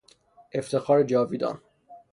افتخار جاویدان